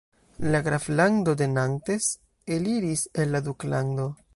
La graflando de Nantes eliris el la duklando.